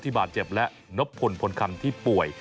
ที่บาดเจ็บและนบผลพลคันที่ป่วย